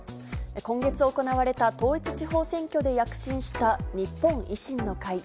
今月行われた統一地方選挙で躍進した日本維新の会。